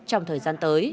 trong thời gian tới